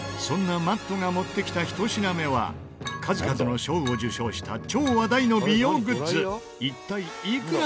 そんなＭａｔｔが持ってきた１品目は数々の賞を受賞した超話題の美容グッズ。